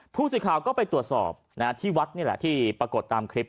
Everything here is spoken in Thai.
ผู้สื่อข่าวก็ไปตรวจสอบที่วัดนี่แหละที่ปรากฏตามคลิป